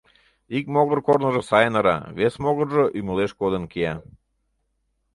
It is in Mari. Ик могыр корныжо сайын ыра, вес могыржо ӱмылеш кодын кия.